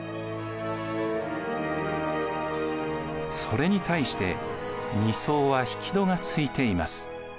それに対して２層は引き戸がついています。